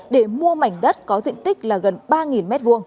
để mua mảnh đất có diện tích là gần ba m hai